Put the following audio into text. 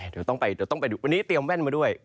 เดี๋ยวต้องไปดูวันนี้เตรียมแว่นมาด้วย